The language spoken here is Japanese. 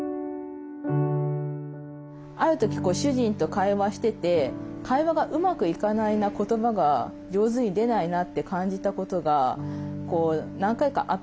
ある時主人と会話してて会話がうまくいかないな言葉が上手に出ないなって感じたことが何回かあったんですね。